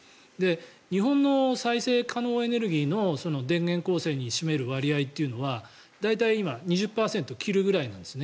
日本の再生可能エネルギーの電源構成に占める割合は大体、今２０％を切るくらいなんですね。